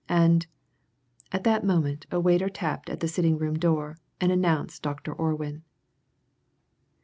And " At that moment a waiter tapped at the sitting room door and announced Dr. Orwin.